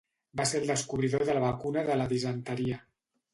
Va ser el descobridor de la vacuna de la disenteria.